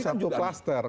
ini baru satu cluster